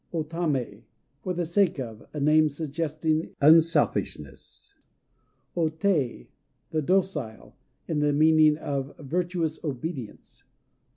O Tamé "For the sake of," a name suggesting unselfishness. O Tei "The Docile," in the meaning of virtuous obedience.